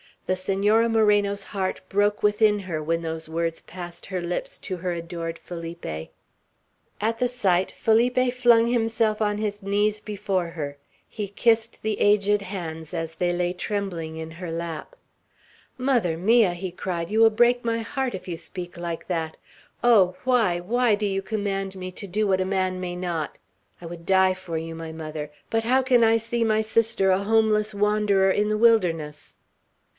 The Senora Moreno's heart broke within her, when those words passed her lips to her adored Felipe. At the sight, Felipe flung himself on his knees before her; he kissed the aged hands as they lay trembling in her lap. "Mother mia," he cried, "you will break my heart if you speak like that! Oh, why, why do you command me to do what a man may not? I would die for you, my mother; but how can I see my sister a homeless wanderer in the wilderness?"